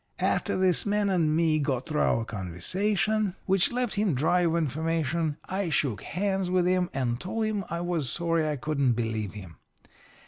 "' "After this man and me got through our conversation, which left him dry of information, I shook hands with him and told him I was sorry I couldn't believe him.